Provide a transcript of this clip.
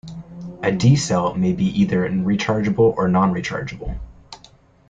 A D cell may be either rechargeable or non-rechargeable.